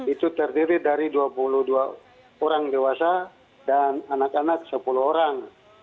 itu terdiri dari dua puluh dua orang dewasa dan anak anak sepuluh orang